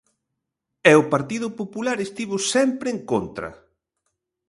E o Partido Popular estivo sempre en contra.